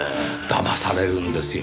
だまされるんですよ。